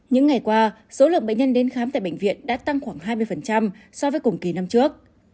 những ngày qua số lượng bệnh nhân đến khám tại bệnh viện đã tăng khoảng hai mươi so với cùng kỳ năm trước